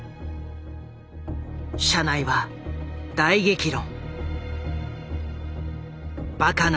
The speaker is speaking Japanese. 社内は大激論。